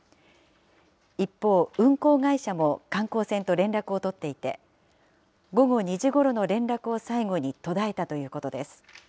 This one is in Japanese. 一方、運航会社も観光船と連絡を取っていて、午後２時ごろの連絡を最後に途絶えたということです。